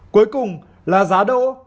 cuối cùng là giá đỗ